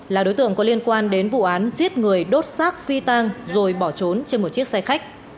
là đối tượng có liên quan đến vụ án giết người đốt xác phi tang rồi bỏ trốn trên một chiếc xe khách